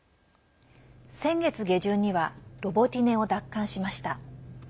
先月下旬にはロボティネを奪還しました。